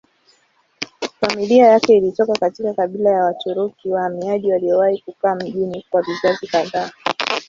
Familia yake ilitoka katika kabila ya Waturuki wahamiaji waliowahi kukaa mjini kwa vizazi kadhaa.